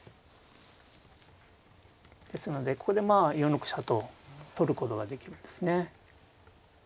ですのでここでまあ４六飛車と取ることができるんですね。